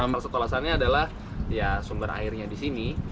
hal setelahsannya adalah sumber airnya di sini